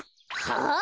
はあ？